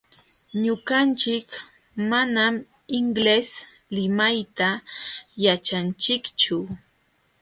Ñuqanchik manam inglés limayta yaćhanchikchu.